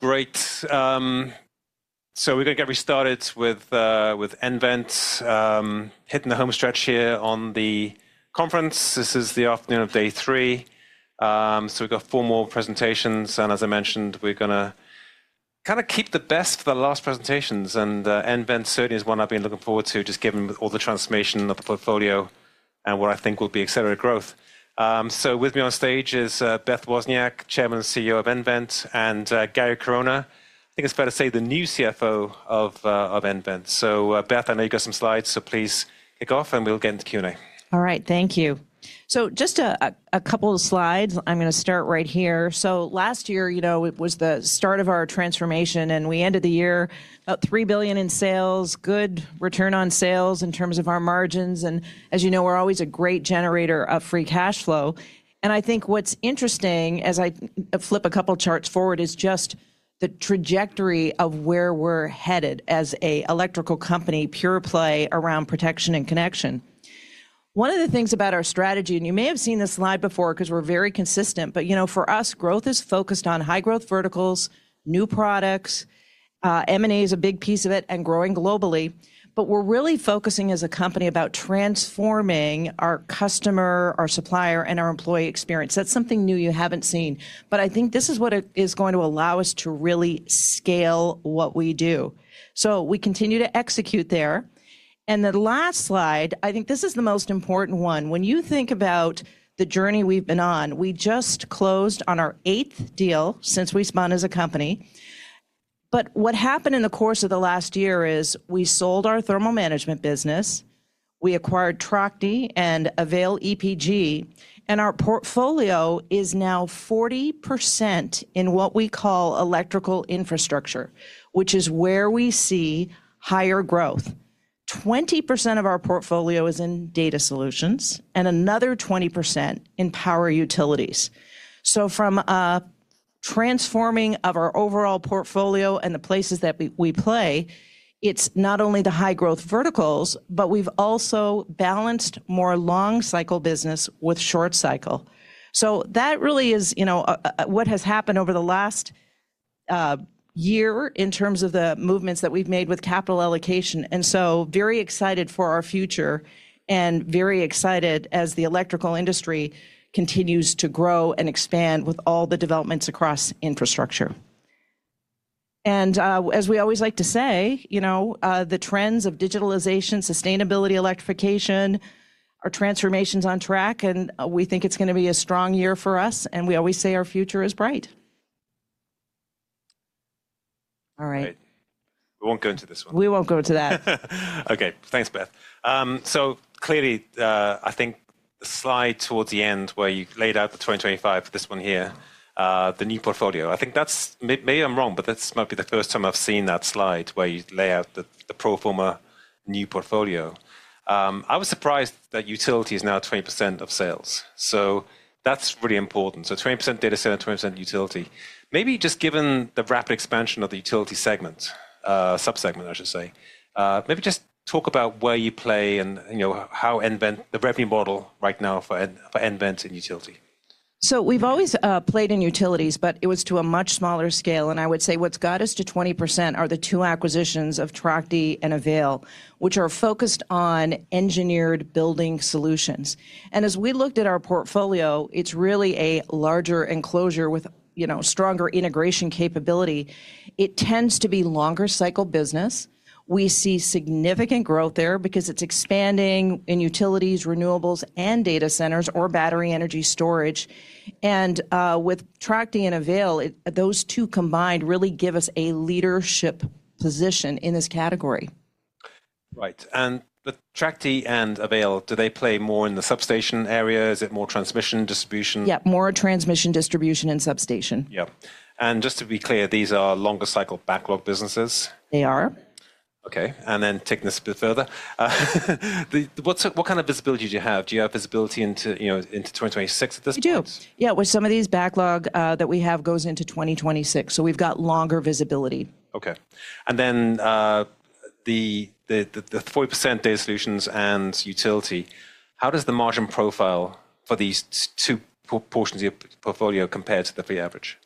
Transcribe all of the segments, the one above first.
Great. So we're going to get restarted with nVent hitting the home stretch here on the conference. This is the afternoon of day three. We've got four more presentations. As I mentioned, we're going to kind of keep the best for the last presentations. nVent certainly is one I've been looking forward to, just given all the transformation of the portfolio and what I think will be accelerated growth. With me on stage is Beth Wozniak, Chairman and CEO of nVent, and Gary Corona, I think it's better to say the new CFO of nVent. Beth, I know you've got some slides, so please kick off and we'll get into Q&A. All right, thank you. Just a couple of slides. I'm going to start right here. Last year, you know, it was the start of our transformation, and we ended the year about $3 billion in sales, good return on sales in terms of our margins. As you know, we're always a great generator of free cash flow. I think what's interesting, as I flip a couple of charts forward, is just the trajectory of where we're headed as an electrical company, pure play around protection and connection. One of the things about our strategy, and you may have seen this slide before because we're very consistent, but you know, for us, growth is focused on high growth verticals, new products. M&A is a big piece of it and growing globally. We're really focusing as a company about transforming our customer, our supplier, and our employee experience. That's something new you haven't seen. I think this is what is going to allow us to really scale what we do. We continue to execute there. The last slide, I think this is the most important one. When you think about the journey we've been on, we just closed on our eighth deal since we spun as a company. What happened in the course of the last year is we sold our thermal management business, we acquired TRACHTE and Avail EPG, and our portfolio is now 40% in what we call electrical infrastructure, which is where we see higher growth. 20% of our portfolio is in data solutions and another 20% in power utilities. From transforming our overall portfolio and the places that we play, it's not only the high growth verticals, but we've also balanced more long cycle business with short cycle. That really is, you know, what has happened over the last year in terms of the movements that we've made with capital allocation. Very excited for our future and very excited as the electrical industry continues to grow and expand with all the developments across infrastructure. As we always like to say, you know, the trends of digitalization, sustainability, electrification, our transformation is on track, and we think it's going to be a strong year for us. We always say our future is bright. All right. We won't go into this one. We won't go into that. Okay, thanks, Beth. Clearly, I think the slide towards the end where you laid out the 2025, this one here, the new portfolio, I think that's, maybe I'm wrong, but that might be the first time I've seen that slide where you lay out the pro forma new portfolio. I was surprised that utility is now 20% of sales. That's really important. So 20% data center, 20% utility. Maybe just given the rapid expansion of the utility segment, subsegment, I should say, maybe just talk about where you play and, you know, how nVent, the revenue model right now for nVent and utility. We've always played in utilities, but it was to a much smaller scale. I would say what's got us to 20% are the two acquisitions of TRACHTE and Avail, which are focused on engineered building solutions. As we looked at our portfolio, it's really a larger enclosure with, you know, stronger integration capability. It tends to be longer cycle business. We see significant growth there because it's expanding in utilities, renewables, and data centers or battery energy storage. With TRACHTE and Avail, those two combined really give us a leadership position in this category. Right. And the TRACHTE and Avail, do they play more in the substation area? Is it more transmission distribution? Yeah, more transmission distribution and substation. Yeah. Just to be clear, these are longer cycle backlog businesses. They are. Okay. Taking this a bit further, what kind of visibility do you have? Do you have visibility into, you know, into 2026 at this point? We do. Yeah. Some of this backlog that we have goes into 2026. So we've got longer visibility. Okay. And then the 40% data solutions and utility, how does the margin profile for these two portions of your portfolio compare to the average?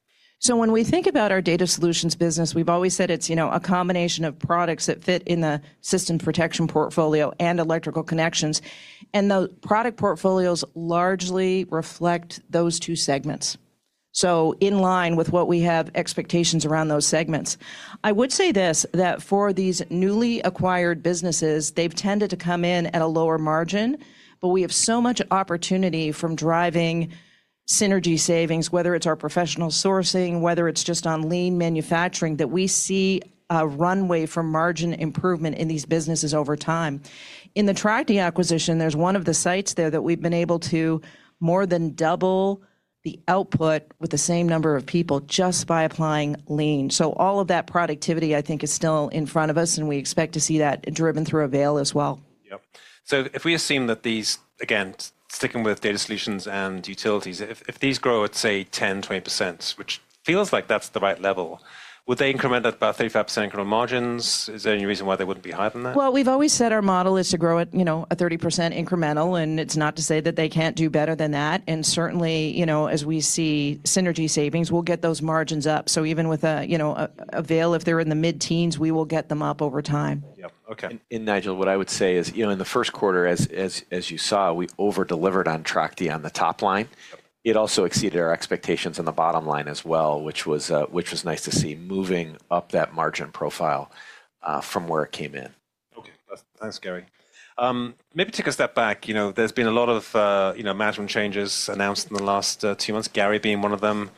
When we think about our data solutions business, we've always said it's, you know, a combination of products that fit in the system protection portfolio and electrical connections. The product portfolios largely reflect those two segments. In line with what we have expectations around those segments. I would say this, that for these newly acquired businesses, they've tended to come in at a lower margin, but we have so much opportunity from driving synergy savings, whether it's our professional sourcing, whether it's just on lean manufacturing, that we see a runway for margin improvement in these businesses over time. In the TRACHTE acquisition, there's one of the sites there that we've been able to more than double the output with the same number of people just by applying lean. All of that productivity, I think, is still in front of us, and we expect to see that driven through Avail as well. Yeah. If we assume that these, again, sticking with data solutions and utilities, if these grow at, say, 10%-20%, which feels like that's the right level, would they increment at about 35% incremental margins? Is there any reason why they wouldn't be higher than that? Our model is to grow at, you know, a 30% incremental, and it's not to say that they can't do better than that. And certainly, you know, as we see synergy savings, we'll get those margins up. So even with, you know, Avail, if they're in the mid-teens, we will get them up over time. Yeah. Okay. Nigel, what I would say is, you know, in the first quarter, as you saw, we overdelivered on TRACHTE on the top line. It also exceeded our expectations on the bottom line as well, which was nice to see, moving up that margin profile from where it came in. Okay. Thanks, Gary. Maybe take a step back. You know, there's been a lot of, you know, management changes announced in the last two months, Gary being one of them,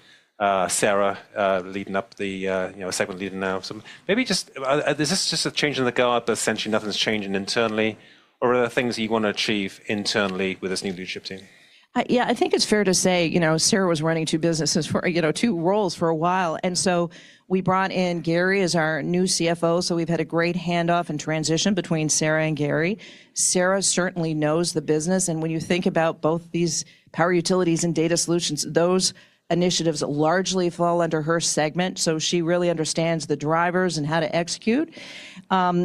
Sara leading up the, you know, segment leading now. Maybe just, is this just a change in the guard, but essentially nothing's changing internally, or are there things you want to achieve internally with this new leadership team? Yeah, I think it's fair to say, you know, Sara was running two businesses, you know, two roles for a while. And so we brought in Gary as our new CFO. So we've had a great handoff and transition between Sara and Gary. Sara certainly knows the business. And when you think about both these power utilities and data solutions, those initiatives largely fall under her segment. So she really understands the drivers and how to execute.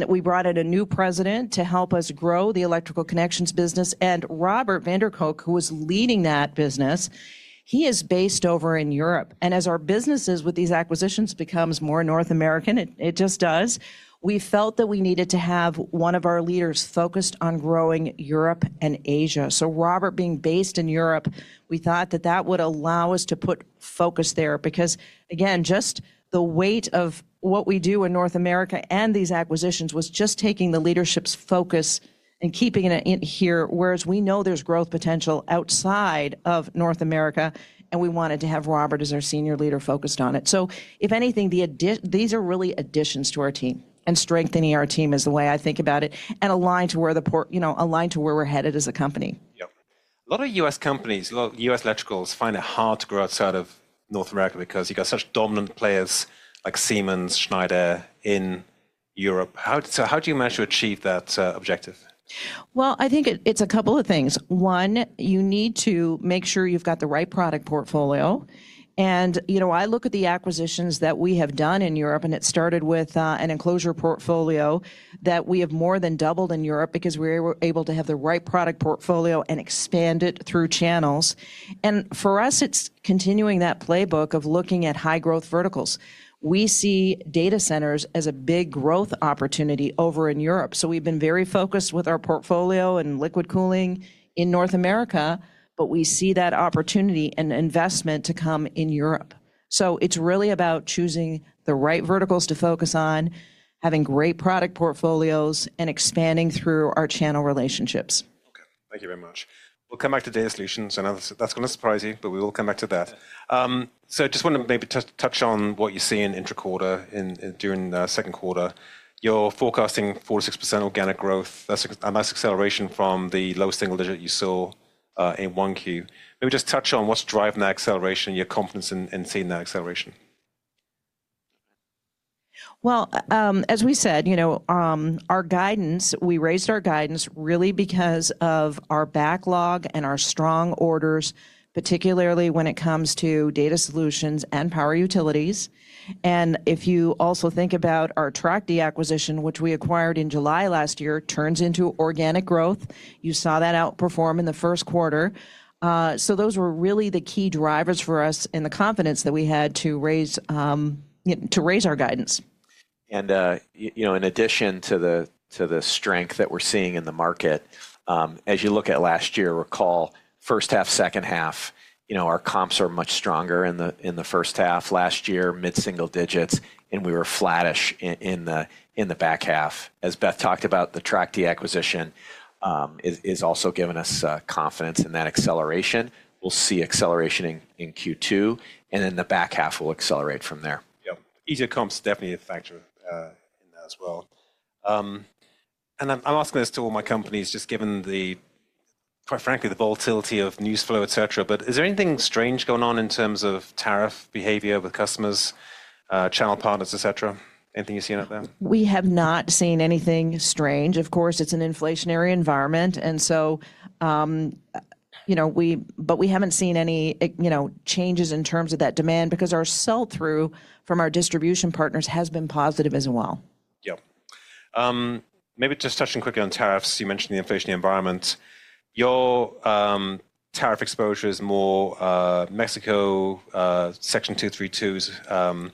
We brought in a new president to help us grow the electrical connections business. And Robert van der Kolk, who was leading that business, he is based over in Europe. And as our businesses with these acquisitions become more North American, it just does, we felt that we needed to have one of our leaders focused on growing Europe and Asia. Robert being based in Europe, we thought that that would allow us to put focus there because, again, just the weight of what we do in North America and these acquisitions was just taking the leadership's focus and keeping it here, whereas we know there's growth potential outside of North America, and we wanted to have Robert as our senior leader focused on it. If anything, these are really additions to our team and strengthening our team is the way I think about it and align to where the, you know, align to where we're headed as a company. Yeah. A lot of U.S. companies, a lot of U.S. electricals find it hard to grow outside of North America because you've got such dominant players like Siemens, Schneider in Europe. How do you manage to achieve that objective? I think it's a couple of things. One, you need to make sure you've got the right product portfolio. You know, I look at the acquisitions that we have done in Europe, and it started with an enclosure portfolio that we have more than doubled in Europe because we were able to have the right product portfolio and expand it through channels. For us, it's continuing that playbook of looking at high growth verticals. We see data centers as a big growth opportunity over in Europe. We have been very focused with our portfolio and liquid cooling in North America, but we see that opportunity and investment to come in Europe. It's really about choosing the right verticals to focus on, having great product portfolios, and expanding through our channel relationships. Okay. Thank you very much. We'll come back to data solutions, and that's going to surprise you, but we will come back to that. I just want to maybe touch on what you see in intra quarter, during the second quarter. You're forecasting 46% organic growth, a nice acceleration from the low single digit you saw in 1Q. Maybe just touch on what's driving that acceleration, your confidence in seeing that acceleration. As we said, you know, our guidance, we raised our guidance really because of our backlog and our strong orders, particularly when it comes to data solutions and power utilities. If you also think about our TRACHTE acquisition, which we acquired in July last year, turns into organic growth. You saw that outperform in the first quarter. Those were really the key drivers for us and the confidence that we had to raise our guidance. You know, in addition to the strength that we're seeing in the market, as you look at last year, recall first half, second half, our comps are much stronger in the first half. Last year, mid-single digits, and we were flattish in the back half. As Beth talked about, the TRACHTE acquisition is also giving us confidence in that acceleration. We'll see acceleration in Q2, and then the back half will accelerate from there. Yeah. Easier comps definitely a factor in that as well. I'm asking this to all my companies, just given the, quite frankly, the volatility of news flow, et cetera, but is there anything strange going on in terms of tariff behavior with customers, channel partners, et cetera? Anything you've seen out there? We have not seen anything strange. Of course, it's an inflationary environment. And, you know, we, but we haven't seen any, you know, changes in terms of that demand because our sell-through from our distribution partners has been positive as well. Yeah. Maybe just touching quickly on tariffs. You mentioned the inflationary environment. Your tariff exposure is more Mexico, Section 232.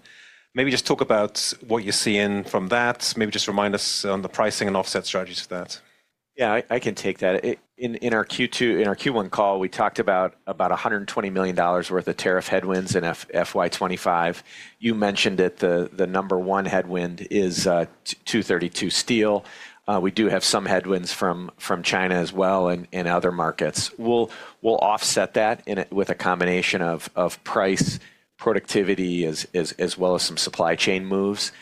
Maybe just talk about what you're seeing from that. Maybe just remind us on the pricing and offset strategies for that. Yeah, I can take that. In our Q2, in our Q1 call, we talked about $120 million worth of tariff headwinds in FY 2025. You mentioned that the number one headwind is 232 steel. We do have some headwinds from China as well and other markets. We'll offset that with a combination of price, productivity, as well as some supply chain moves.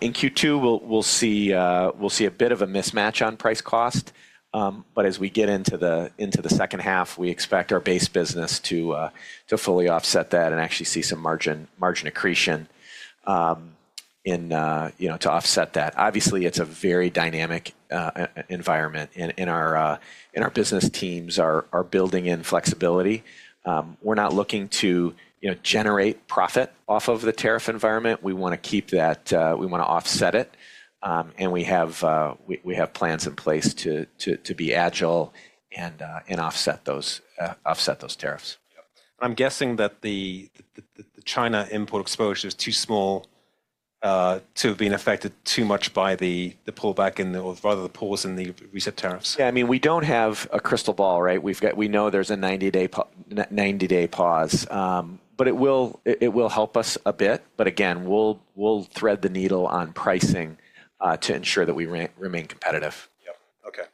In Q2, we'll see a bit of a mismatch on price cost, but as we get into the second half, we expect our base business to fully offset that and actually see some margin accretion in, you know, to offset that. Obviously, it's a very dynamic environment. Our business teams are building in flexibility. We're not looking to, you know, generate profit off of the tariff environment. We want to keep that, we want to offset it. We have plans in place to be agile and offset those tariffs. I'm guessing that the China import exposure is too small to have been affected too much by the pullback in, or rather the pause in the recent tariffs. Yeah, I mean, we don't have a crystal ball, right? We know there's a 90-day pause, but it will help us a bit. Again, we'll thread the needle on pricing to ensure that we remain competitive. Yeah. Okay.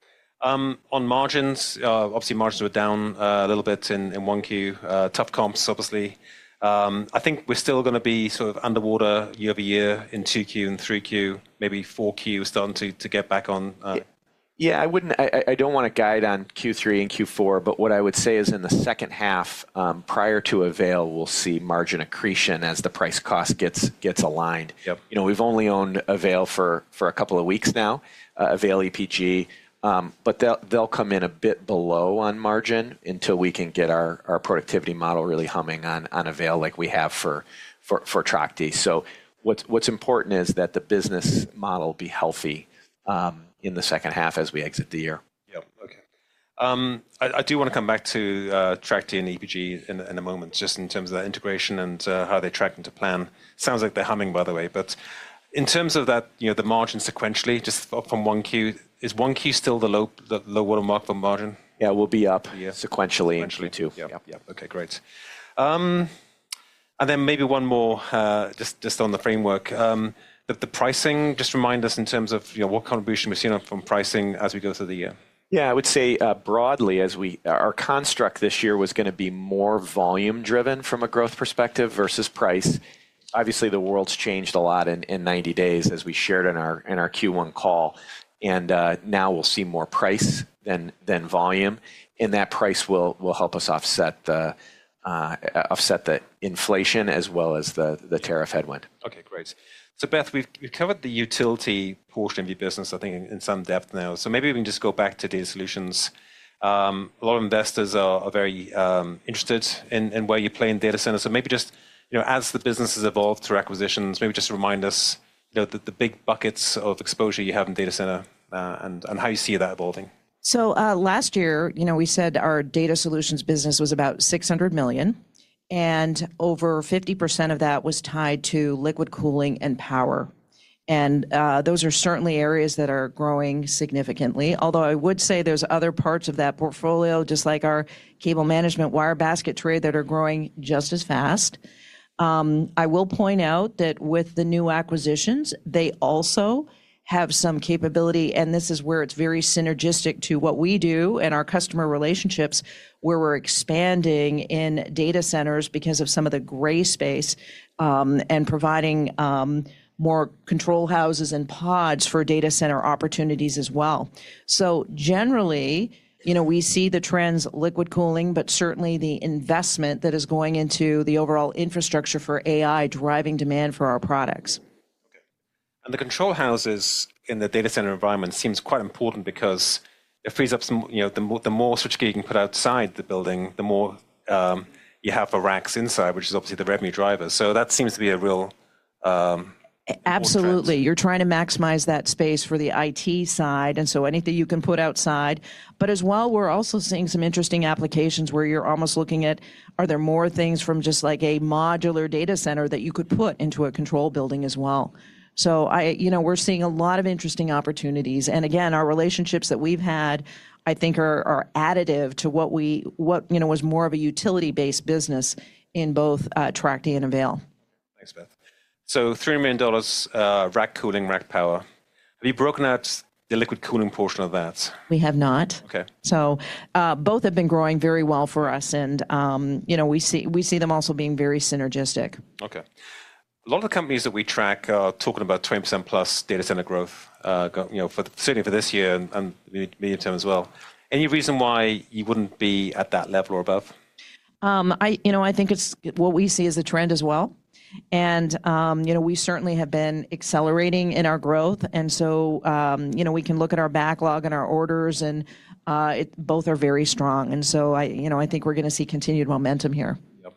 On margins, obviously margins were down a little bit in Q1. Tough comps, obviously. I think we're still going to be sort of underwater year over year in Q2 and Q3, maybe Q4, starting to get back on. Yeah, I wouldn't, I don't want to guide on Q3 and Q4, but what I would say is in the second half, prior to Avail, we'll see margin accretion as the price cost gets aligned. You know, we've only owned Avail for a couple of weeks now, Avail EPG, but they'll come in a bit below on margin until we can get our productivity model really humming on Avail like we have for TRACHTE. So what's important is that the business model be healthy in the second half as we exit the year. Yeah. Okay. I do want to come back to TRACHTE and EPG in a moment, just in terms of that integration and how they track into plan. Sounds like they're humming, by the way, but in terms of that, you know, the margin sequentially, just from one Q, is one Q still the low watermark for margin? Yeah, we'll be up sequentially too. Yeah. Okay, great. And then maybe one more, just on the framework, the pricing, just remind us in terms of, you know, what contribution we've seen from pricing as we go through the year. Yeah, I would say broadly, as we, our construct this year was going to be more volume-driven from a growth perspective versus price. Obviously, the world's changed a lot in 90 days, as we shared in our Q1 call. Now we'll see more price than volume. That price will help us offset the inflation as well as the tariff headwind. Okay, great. Beth, we've covered the utility portion of your business, I think, in some depth now. Maybe we can just go back to data solutions. A lot of investors are very interested in where you play in data centers. Maybe just, you know, as the business has evolved through acquisitions, maybe just remind us, you know, the big buckets of exposure you have in data center and how you see that evolving. Last year, you know, we said our data solutions business was about $600 million, and over 50% of that was tied to liquid cooling and power. Those are certainly areas that are growing significantly, although I would say there are other parts of that portfolio, just like our cable management, wire basket tray, that are growing just as fast. I will point out that with the new acquisitions, they also have some capability, and this is where it is very synergistic to what we do and our customer relationships, where we are expanding in data centers because of some of the gray space and providing more control houses and pods for data center opportunities as well. Generally, you know, we see the trends, liquid cooling, but certainly the investment that is going into the overall infrastructure for AI driving demand for our products. Okay. The control houses in the data center environment seem quite important because it frees up some, you know, the more switchgear you can put outside the building, the more you have for racks inside, which is obviously the revenue driver. That seems to be a real opportunity. Absolutely. You're trying to maximize that space for the IT side. Anything you can put outside. As well, we're also seeing some interesting applications where you're almost looking at, are there more things from just like a modular data center that you could put into a control building as well? I, you know, we're seeing a lot of interesting opportunities. Our relationships that we have had, I think, are additive to what was more of a utility-based business in both TRACHTE and Avail. Thanks, Beth. So $3 million rack cooling, rack power. Have you broken out the liquid cooling portion of that? We have not. Okay. Both have been growing very well for us. We see them also being very synergistic. A lot of the companies that we track are talking about 20%+ data center growth, certainly for this year and medium term as well. Any reason why you would not be at that level or above? I think it is what we see as the trend as well. We certainly have been accelerating in our growth. You know, we can look at our backlog and our orders, and both are very strong. You know, I think we're going to see continued momentum here. Yeah.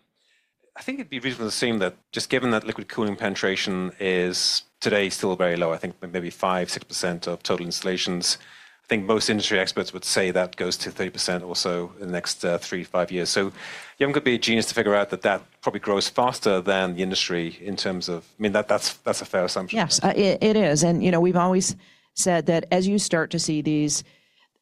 I think it'd be reasonable to assume that just given that liquid cooling penetration is today still very low, I think maybe 5%-6% of total installations. I think most industry experts would say that goes to 30% or so in the next three, five years. You're going to be a genius to figure out that that probably grows faster than the industry in terms of, I mean, that's a fair assumption. Yes, it is. You know, we've always said that as you start to see these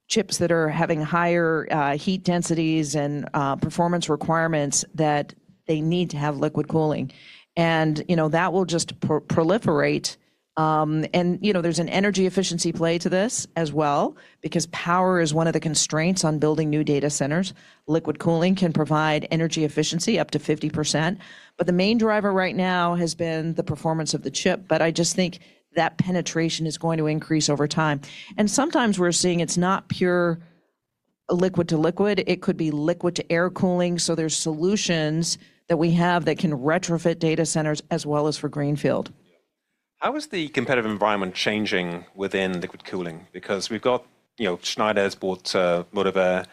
chips that are having higher heat densities and performance requirements, that they need to have liquid cooling. You know, that will just proliferate. You know, there is an energy efficiency play to this as well, because power is one of the constraints on building new data centers. Liquid cooling can provide energy efficiency up to 50%. The main driver right now has been the performance of the chip. I just think that penetration is going to increase over time. Sometimes we are seeing it is not pure liquid-to-liquid. It could be liquid-to-air cooling. There are solutions that we have that can retrofit data centers as well as for Greenfield. How is the competitive environment changing within liquid cooling? We have got, you know, Schneider has bought Motivair,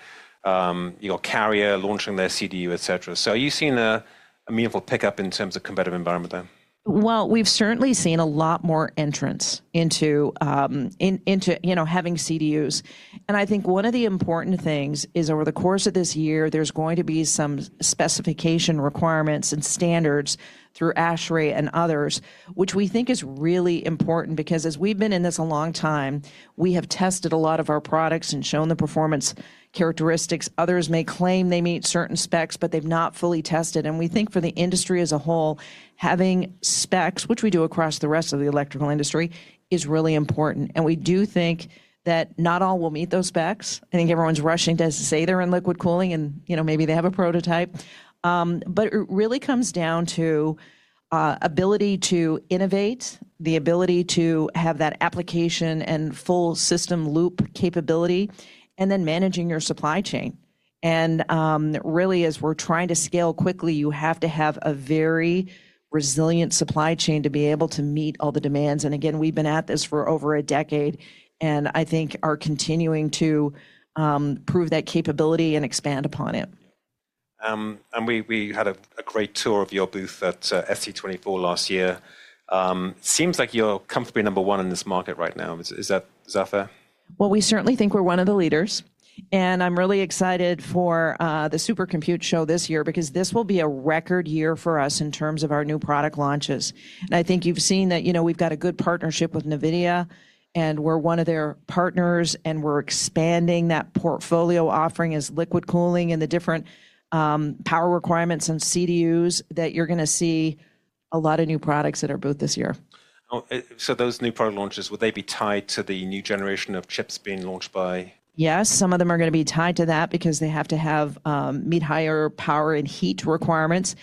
Carrier launching their CDU, et cetera. Are you seeing a meaningful pickup in terms of competitive environment there? We have certainly seen a lot more entrance into, you know, having CDUs. I think one of the important things is over the course of this year, there's going to be some specification requirements and standards through ASHRAE and others, which we think is really important because as we've been in this a long time, we have tested a lot of our products and shown the performance characteristics. Others may claim they meet certain specs, but they've not fully tested. We think for the industry as a whole, having specs, which we do across the rest of the electrical industry, is really important. We do think that not all will meet those specs. I think everyone's rushing to say they're in liquid cooling and, you know, maybe they have a prototype. It really comes down to ability to innovate, the ability to have that application and full system loop capability, and then managing your supply chain. Really, as we're trying to scale quickly, you have to have a very resilient supply chain to be able to meet all the demands. Again, we've been at this for over a decade, and I think are continuing to prove that capability and expand upon it. We had a great tour of your booth at ST24 last year. It seems like you're comfortably number one in this market right now. Is that fair? We certainly think we're one of the leaders. I'm really excited for the Supercompute show this year because this will be a record year for us in terms of our new product launches. I think you've seen that, you know, we've got a good partnership with NVIDIA, and we're one of their partners, and we're expanding that portfolio offering as liquid cooling and the different power requirements and CDUs that you're going to see a lot of new products at our booth this year. Those new product launches, would they be tied to the new generation of chips being launched by? Yes, some of them are going to be tied to that because they have to meet higher power and heat requirements.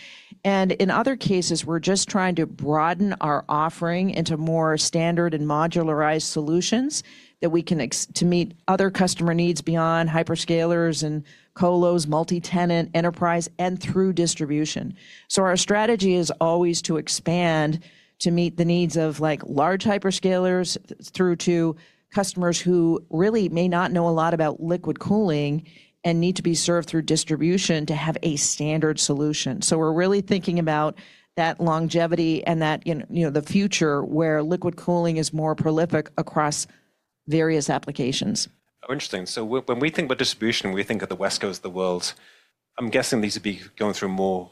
In other cases, we're just trying to broaden our offering into more standard and modularized solutions that we can to meet other customer needs beyond hyperscalers and colos, multi-tenant, enterprise, and through distribution. Our strategy is always to expand to meet the needs of large hyperscalers through to customers who really may not know a lot about liquid cooling and need to be served through distribution to have a standard solution. We are really thinking about that longevity and that, you know, the future where liquid cooling is more prolific across various applications. How interesting. When we think about distribution, we think of the West Coast, the world. I am guessing these would be going through more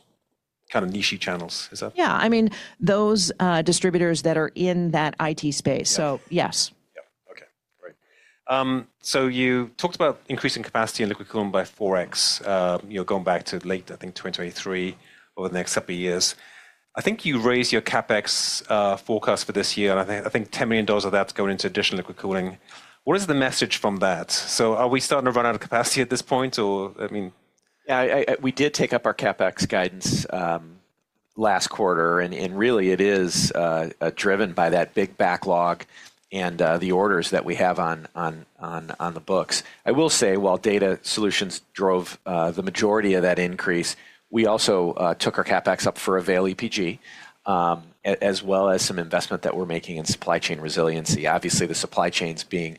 kind of niche channels. Is that? Yeah, I mean, those distributors that are in that IT space. So yes. Yeah. Okay. Great. You talked about increasing capacity in liquid cooling by 4x, you know, going back to late, I think, 2023 or the next couple of years. I think you raised your CapEx forecast for this year, and I think $10 million of that's going into additional liquid cooling. What is the message from that? Are we starting to run out of capacity at this point, or, I mean? Yeah, we did take up our CapEx guidance last quarter, and really it is driven by that big backlog and the orders that we have on the books. I will say, while data solutions drove the majority of that increase, we also took our CapEx up for Avail EPG, as well as some investment that we're making in supply chain resiliency. Obviously, the supply chain's being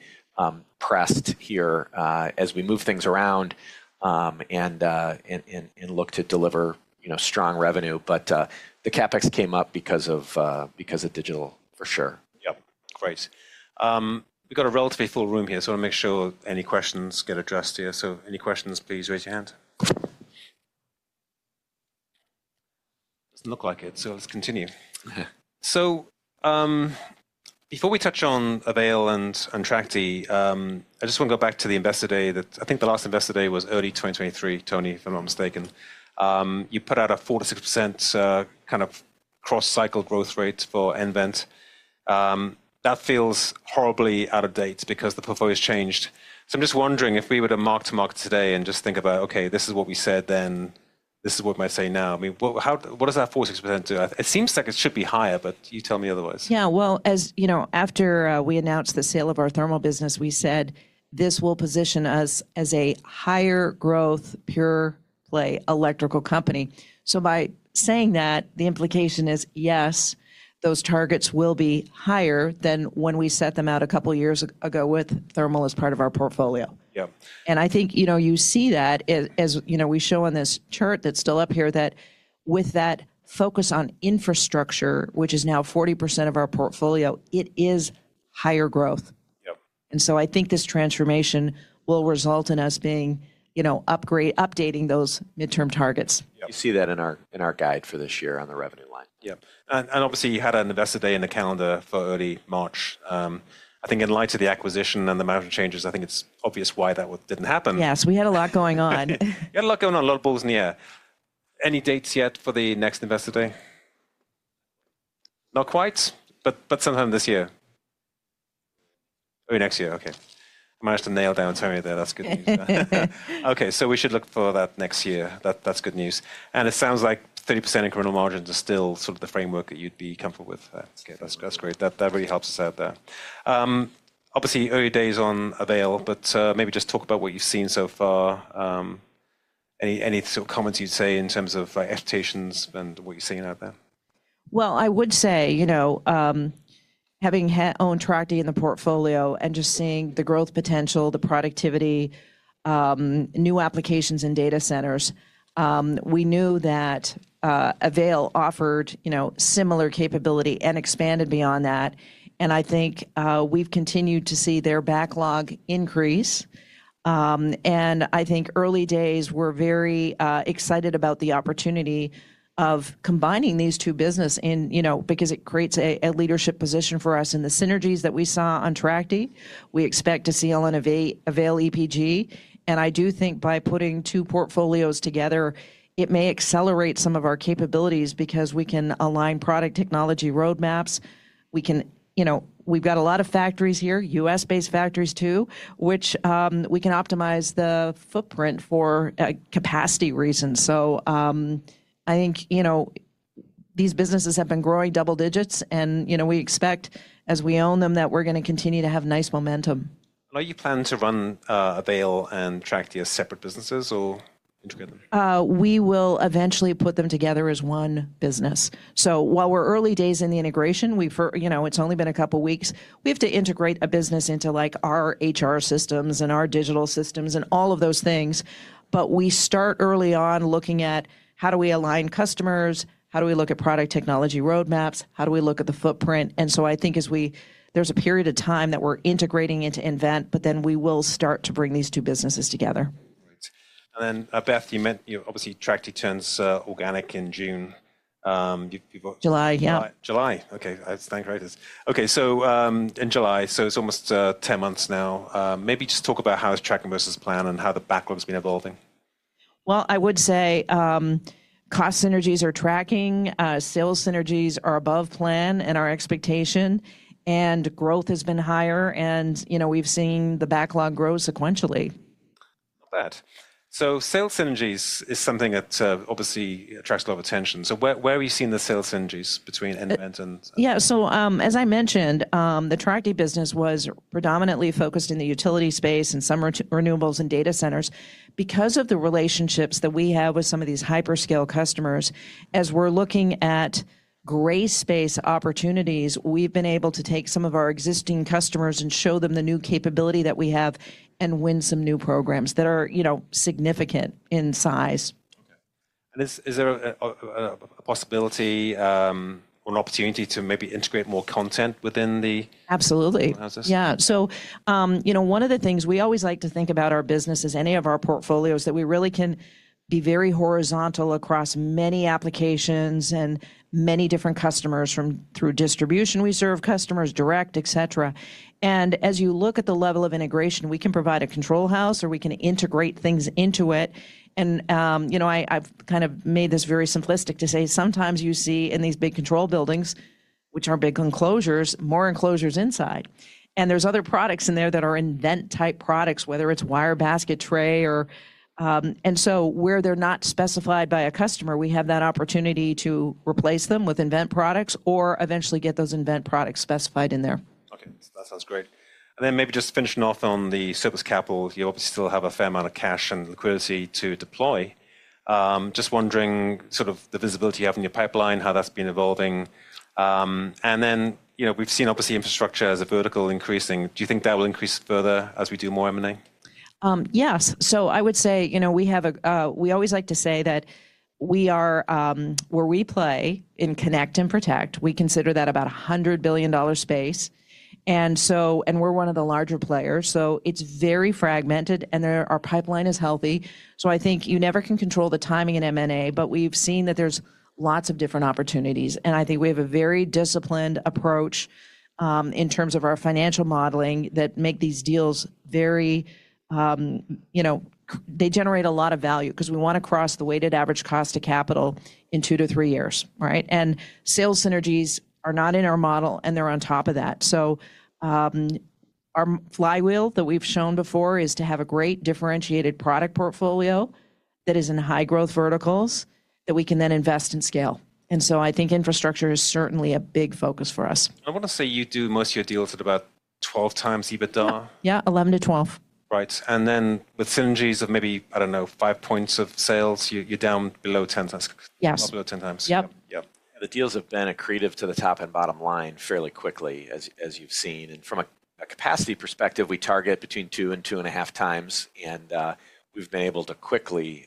pressed here as we move things around and look to deliver, you know, strong revenue. The CapEx came up because of digital, for sure. Yeah. Great. We've got a relatively full room here, so I want to make sure any questions get addressed here. Any questions, please raise your hand. Doesn't look like it, so let's continue. Before we touch on Avail and TRACHTE, I just want to go back to the investor day that I think the last investor day was early 2023, Tony, if I'm not mistaken. You put out a 4%-6% kind of cross-cycle growth rate for nVent. That feels horribly out of date because the portfolio has changed. I'm just wondering if we were to mark to market today and just think about, okay, this is what we said then, this is what we might say now. I mean, what does that 4%-6% do? It seems like it should be higher, but you tell me otherwise. Yeah, as you know, after we announced the sale of our thermal business, we said this will position us as a higher growth pure play electrical company. By saying that, the implication is, yes, those targets will be higher than when we set them out a couple of years ago with thermal as part of our portfolio. Yeah, and I think, you know, you see that as, you know, we show on this chart that's still up here that with that focus on infrastructure, which is now 40% of our portfolio, it is higher growth. Yeah, and I think this transformation will result in us being, you know, upgrading, updating those midterm targets. You see that in our guide for this year on the revenue line. Yeah, and obviously, you had an investor day in the calendar for early March. I think in light of the acquisition and the management changes, I think it's obvious why that didn't happen. Yes, we had a lot going on. You had a lot going on, a lot of balls in the air. Any dates yet for the next investor day? Not quite, but sometime this year. Oh, next year, okay. I managed to nail down Tony there, that's good news. Okay, we should look for that next year. That's good news. It sounds like 30% incremental margins are still sort of the framework that you'd be comfortable with. That's great. That really helps us out there. Obviously, early days on Avail, but maybe just talk about what you've seen so far. Any sort of comments you'd say in terms of expectations and what you're seeing out there? I would say, you know, having owned TRACHTE in the portfolio and just seeing the growth potential, the productivity, new applications in data centers, we knew that Avail offered, you know, similar capability and expanded beyond that. I think we've continued to see their backlog increase. I think early days were very excited about the opportunity of combining these two businesses in, you know, because it creates a leadership position for us in the synergies that we saw on TRACHTE. We expect to see on Avail EPG. I do think by putting two portfolios together, it may accelerate some of our capabilities because we can align product technology roadmaps. We can, you know, we've got a lot of factories here, U.S.-based factories too, which we can optimize the footprint for capacity reasons. I think, you know, these businesses have been growing double digits. You know, we expect as we own them that we're going to continue to have nice momentum. Are you planning to run Avail and TRACHTE as separate businesses or integrate them? We will eventually put them together as one business. While we're early days in the integration, it's only been a couple of weeks, we have to integrate a business into our HR systems and our digital systems and all of those things. We start early on looking at how do we align customers, how do we look at product technology roadmaps, how do we look at the footprint. I think as we, there's a period of time that we're integrating into nVent, but then we will start to bring these two businesses together. Then, Beth, you meant, you know, obviously TRACHTE turns organic in June. July, yeah. July. Okay. That's dang great. Okay. In July, so it's almost 10 months now. Maybe just talk about how is tracking versus plan and how the backlog has been evolving. I would say cost synergies are tracking, sales synergies are above plan and our expectation, and growth has been higher. You know, we've seen the backlog grow sequentially. Not bad. Sales synergies is something that obviously attracts a lot of attention. Where are you seeing the sales synergies between nVent and? Yeah. As I mentioned, the TRACHTE business was predominantly focused in the utility space and some renewables and data centers. Because of the relationships that we have with some of these hyperscale customers, as we're looking at gray space opportunities, we've been able to take some of our existing customers and show them the new capability that we have and win some new programs that are, you know, significant in size. Okay. Is there a possibility or an opportunity to maybe integrate more content within the? Absolutely. Yeah. You know, one of the things we always like to think about our businesses, any of our portfolios, that we really can be very horizontal across many applications and many different customers from through distribution. We serve customers direct, et cetera. As you look at the level of integration, we can provide a control house or we can integrate things into it. You know, I've kind of made this very simplistic to say sometimes you see in these big control buildings, which are big enclosures, more enclosures inside. And there's other products in there that are nVent type products, whether it's wire basket tray or, and so where they're not specified by a customer, we have that opportunity to replace them with nVent products or eventually get those nVent products specified in there. Okay. That sounds great. Maybe just finishing off on the surplus capital, you obviously still have a fair amount of cash and liquidity to deploy. Just wondering sort of the visibility you have in your pipeline, how that's been evolving. You know, we've seen obviously infrastructure as a vertical increasing. Do you think that will increase further as we do more M&A? Yes. I would say, you know, we have a, we always like to say that we are, where we play in connect and protect, we consider that about $100 billion space. And we are one of the larger players. It is very fragmented and our pipeline is healthy. I think you never can control the timing in M&A, but we have seen that there are lots of different opportunities. I think we have a very disciplined approach in terms of our financial modeling that makes these deals very, you know, they generate a lot of value because we want to cross the weighted average cost of capital in two to three years, right? Sales synergies are not in our model and they are on top of that. Our flywheel that we've shown before is to have a great differentiated product portfolio that is in high growth verticals that we can then invest and scale. I think infrastructure is certainly a big focus for us. I want to say you do most of your deals at about 12x EBITDA. Yeah, 11x-12x. Right. Then with synergies of maybe, I don't know, five points of sales, you're down below 10x. Yes. Not below 10x. Yep. Yep. The deals have been accretive to the top and bottom line fairly quickly, as you've seen. From a capacity perspective, we target between 2.5x. We've been able to quickly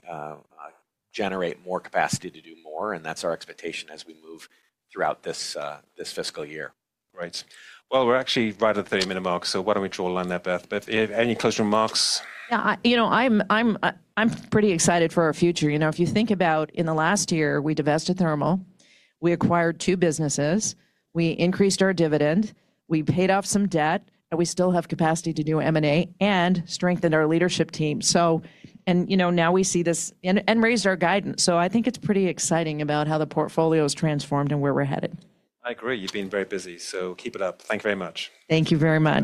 generate more capacity to do more. That's our expectation as we move throughout this fiscal year. We're actually right at the 30-minute mark. Why do we not draw a line there, Beth? Beth, any closing remarks? Yeah, you know, I'm pretty excited for our future. You know, if you think about in the last year, we divested thermal, we acquired two businesses, we increased our dividend, we paid off some debt, and we still have capacity to do M&A and strengthen our leadership team. You know, now we see this and raised our guidance. I think it's pretty exciting about how the portfolio has transformed and where we're headed. I agree. You've been very busy. Keep it up. Thank you very much. Thank you very much.